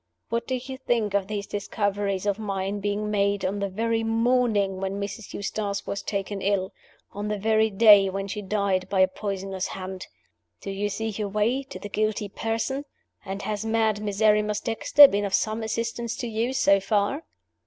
What do you think of these discoveries of mine being made on the very morning when Mrs. Eustace was taken ill on the very day when she died by a poisoner's hand? Do you see your way to the guilty person? And has mad Miserrimus Dexter been of some assistance to you, so far?"